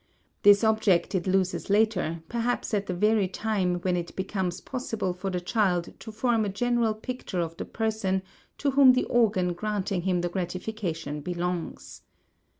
This object it loses later, perhaps at the very time when it becomes possible for the child to form a general picture of the person to whom the organ granting him the gratification belongs.